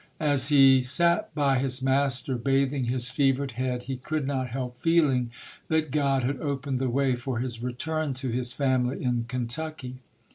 As he sat by his master, bathing his fevered head, he could not help feeling that God had opened the way for his return to his family in Kentucky.